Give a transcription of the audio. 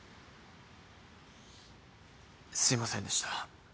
すいませんでした。